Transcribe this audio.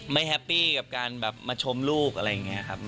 แฮปปี้กับการแบบมาชมลูกอะไรอย่างนี้ครับ